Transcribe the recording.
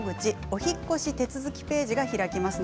お引っ越し手続きページが開きます。